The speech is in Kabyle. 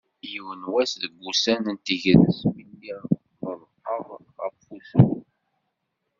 Yiwen n wass deg wussan n tegrest mi lliɣ ḍelqeɣ ɣef wussu.